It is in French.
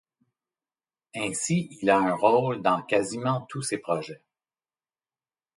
Ainsi il a un rôle dans quasiment tous ses projets.